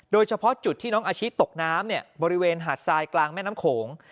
โดยเฉพาะจุดที่น้องอาชิตกน้ำบริเวณหาดทรายกลางแม่น้ำโขง